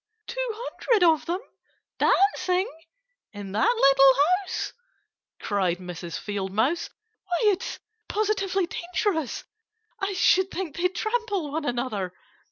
"Two hundred of them dancing in that little house!" cried Mrs. Field Mouse. "Why, it's positively dangerous! I should think they'd trample one another."